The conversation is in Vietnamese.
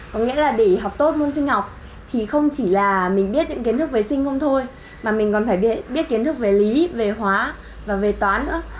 có nghĩa là để học tốt môn sinh học thì không chỉ là mình biết những kiến thức về sinh ngôn thôi mà mình còn phải biết kiến thức về lý về hóa và về toán nữa